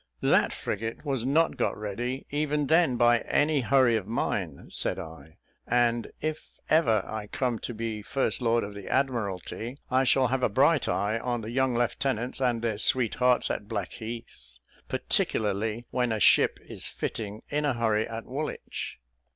"That frigate was not got ready even then by any hurry of mine," said I; "and if ever I come to be first lord of the Admiralty, I shall have a bright eye on the young lieutenants and their sweethearts at Blackheath, particularly when a ship is fitting in a hurry at Woolwich."